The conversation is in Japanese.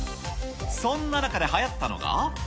そんな中ではやったのが。